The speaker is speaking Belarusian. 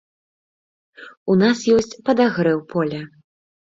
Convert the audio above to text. У нас ёсць падагрэў поля.